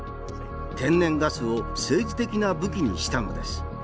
天然ガスを政治的な武器にしたのです。